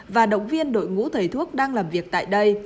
và động viên đội ngũ thầy thuốc đang làm việc tại đây